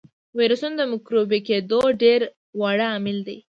ویروسونه د مکروبي کېدلو ډېر واړه عوامل دي.